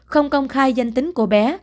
không công khai danh tính cô bé